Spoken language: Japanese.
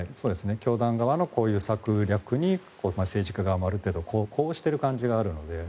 教団側の策略に政治家がある程度呼応している感じがあるので。